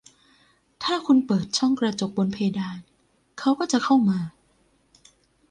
ถ้าคุณเปิดช่องกระจกบนเพดาน เขาก็จะเข้ามา